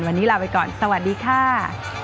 วันนี้ลาไปก่อนสวัสดีค่ะ